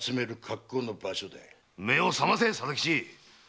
目を覚ませ貞吉！